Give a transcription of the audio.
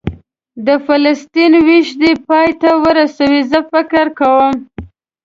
د فلسطین وېش دې پای ته ورسوي، زه فکر کوم.